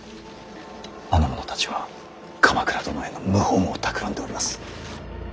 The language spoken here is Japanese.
あの者たちは鎌倉殿への謀反をたくらんでおります。